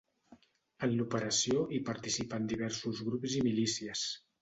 En l’operació hi participen diversos grups i milícies.